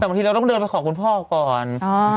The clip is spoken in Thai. แต่บางทีเราต้องเดินไปขอคุณพ่อก่อน